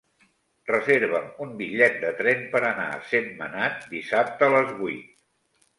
Reserva'm un bitllet de tren per anar a Sentmenat dissabte a les vuit.